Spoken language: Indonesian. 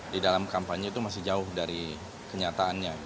di dalam kampanye itu masih jauh dari kenyataannya